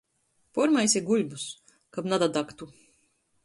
Puormaisi buļbis, kab nadadagtu!